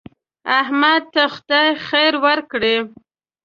احمد ته خدای خیر ورکړي.